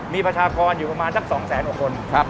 มีประชากรอยู่ประมาณสัก๒แสนกว่าคน